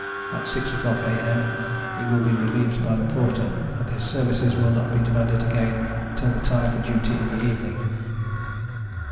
At six oâ€™clock A.Â M., he will be relieved by the Porter, and his services will not be demanded again till the time for duty in the evening.